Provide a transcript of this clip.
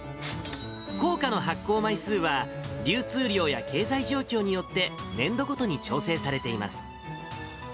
硬貨の発行枚数は、流通量や経済状況によって、年度ごとに調整されています。